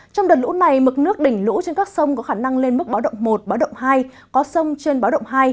trong đợt lũ này mực nước đỉnh lũ trên các sông có khả năng lên mức báo động một báo động hai có sông trên báo động hai